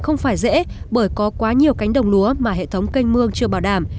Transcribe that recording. không phải dễ bởi có quá nhiều cánh đồng lúa mà hệ thống canh mương chưa bảo đảm